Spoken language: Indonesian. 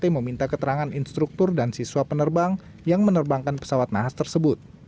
meminta keterangan instruktur dan siswa penerbang yang menerbangkan pesawat nahas tersebut